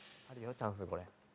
チャンスこれ。